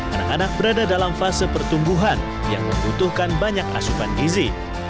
anak anak berada dalam fase pertumbuhan yang membutuhkan banyak asupan gizi